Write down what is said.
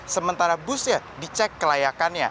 sementara busnya dicek kelayakannya